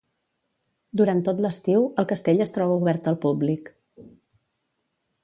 Durant tot l'estiu, el castell es troba obert al públic.